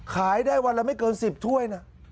ขายได้วันละไม่เกิน๑๐ถ้วยนะ